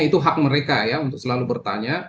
itu hak mereka ya untuk selalu bertanya